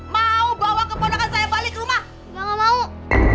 mau bawa keponakan suami kita ke rumah sakit ya pak